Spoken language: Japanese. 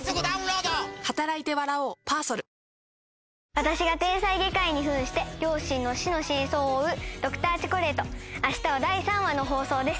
私が天才外科医に扮して両親の死の真相を追う『Ｄｒ．チョコレート』明日は第３話の放送です。